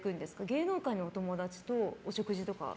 芸能界のお友達とお食事とか？